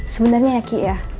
sebenernya ya ki ya